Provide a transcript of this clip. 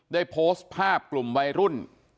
ได้โพสต์ภาพกลุ่มวัยรุ่น